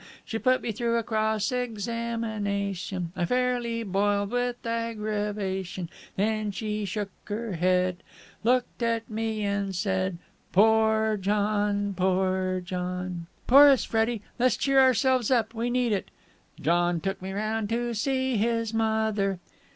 She put me through a cross examination: I fairly boiled with aggravation: Then she shook her head, Looked at me and said: 'Poor John! Poor John!' Chorus, Freddie! Let's cheer ourselves up! We need it!" John took me round to see his mother...!